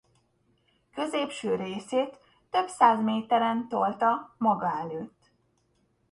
Középső részét több száz méteren tolta maga előtt.